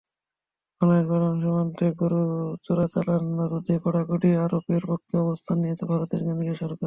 বাংলাদেশ-ভারত সীমান্তে গরু চোরাচালান রোধে কড়াকড়ি আরোপের পক্ষে অবস্থান নিয়েছে ভারতের কেন্দ্রীয় সরকার।